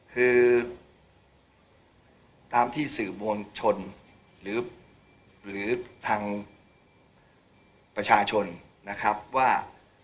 คือตามที่สื่อมวลชนหรือทางประชาชนนะครับว่า